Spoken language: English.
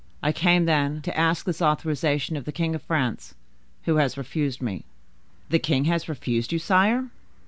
I came, then, to ask this authorization of the king of France, who has refused me." "The king has refused you, sire!"